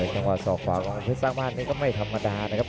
จังหวะสอกขวาของเพชรสร้างบ้านนี้ก็ไม่ธรรมดานะครับ